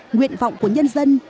nguyện vọng của nhân dân